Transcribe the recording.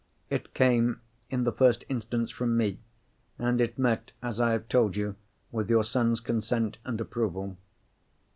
_" "It came, in the first instance, from me. And it met, as I have told you, with your son's consent and approval."